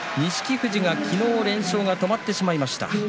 富士は昨日連勝が止まってしまいました。